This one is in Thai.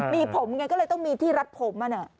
มีผมไงก็เลยต้องมีที่รัดผมมัน